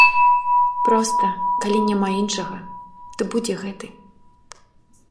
Проста, калі няма іншага, то будзе гэты.